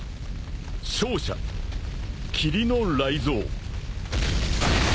［勝者霧の雷ぞう！］